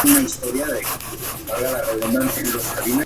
Se cierra con otra tira por encima del empeine, sujetada con hebilla.